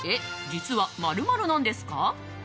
実は○○なんですか？」。